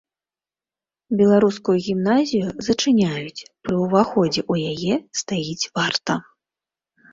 Беларускую гімназію зачыняюць, пры ўваходзе ў яе стаіць варта.